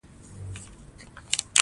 خواښې د مېړه مور